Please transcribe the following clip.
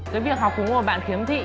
cái việc học cùng một bạn kiếm thị